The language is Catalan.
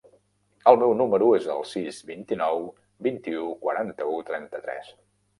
El meu número es el sis, vint-i-nou, vint-i-u, quaranta-u, trenta-tres.